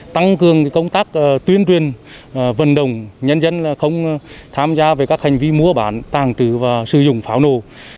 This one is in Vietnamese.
tăng cường công tác tuyên truyền vận động nhân dân không tham gia về các hành vi mua bán tàng trữ và sử dụng pháo nổ